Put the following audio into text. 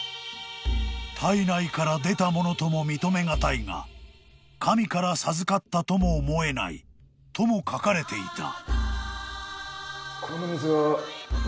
［「体内から出たものとも認め難いが神から授かったとも思えない」とも書かれていた］